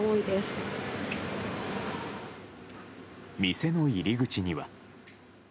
店の入り口には。